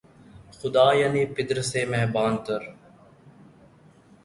خدا‘ یعنی پدر سے مہرباں تر